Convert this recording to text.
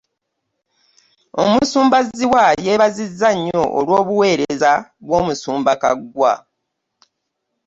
Omusumba zziwa yeebazizza nnyo olw'obuweereza bw'omusumba Kaggwa